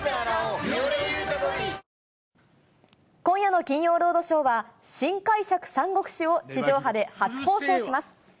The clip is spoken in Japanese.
今夜の金曜ロードショーは、新解釈三國志を地上波で初放送します。